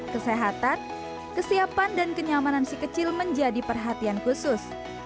kesehatan kesiapan dan kenyamanan si kecil menjadi perhatian khusus